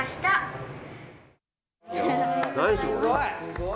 すごい！